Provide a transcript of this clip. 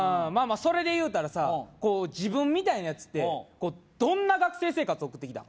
それでいうたらさ自分みたいな奴ってどんな学生生活送ってきたん？